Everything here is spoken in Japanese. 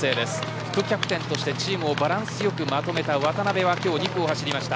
副キャプテンとしてチームをバランスよくまとめた渡辺は２区を走りました。